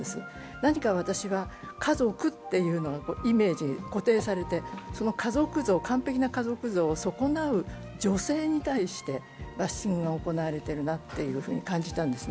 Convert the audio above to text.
何か私は、家族というのはイメージが固定されてその完璧な家族像を損なう女性に対してバッシングが行われいるなというふうに感じたんです。